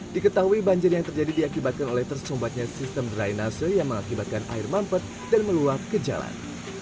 diketahui banjir yang terjadi diakibatkan oleh tersumbatnya sistem drainase yang mengakibatkan air mampet dan meluap ke jalan